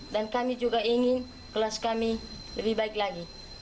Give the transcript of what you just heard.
dan kami juga ingin kelas kami lebih baik lagi